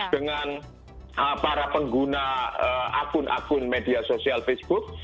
dengan para pengguna akun akun media sosial facebook